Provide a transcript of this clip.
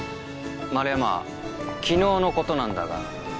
丸山昨日のことなんだが。